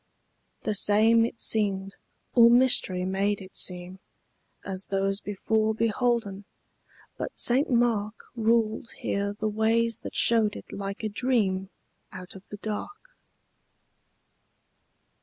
The same it seemed, or mystery made it seem, As those before beholden; but St. Mark Ruled here the ways that showed it like a dream Out of the dark.